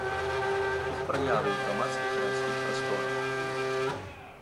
Іх праявы ў грамадскіх гарадскіх прасторах.